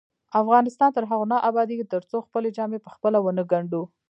افغانستان تر هغو نه ابادیږي، ترڅو خپلې جامې پخپله ونه ګنډو.